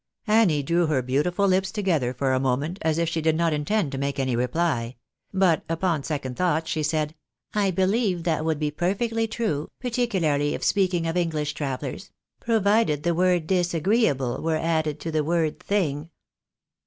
Annie drew her beautiful hps together for a moment, as if she did not intend to make any reply ; but, upon second thoughts, she said, " I believe that would be perfectly true, particularly if speak ing of Enghsh travellers, provided the word disagreeable were added to the word thing.''''